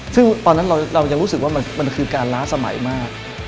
ซึ่งตอนนั้นเรายังรู้สึกว่ามันคือการล้าสมัยมาก